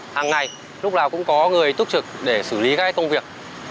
hàng ngày lúc nào cũng có người túc trực để xử lý các công việc